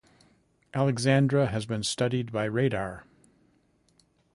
Alexandra has been studied by radar.